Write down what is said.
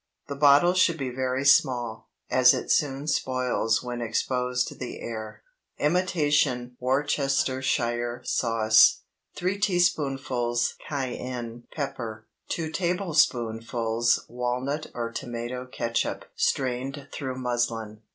The bottles should be very small, as it soon spoils when exposed to the air. IMITATION WORCESTERSHIRE SAUCE. 3 teaspoonfuls cayenne pepper. 2 tablespoonfuls walnut or tomato catsup (strained through muslin).